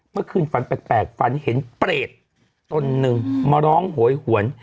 เมื่อคืนฝันแปลกฝันเห็นเปรตนหนึ่งมาร้องโหยหวน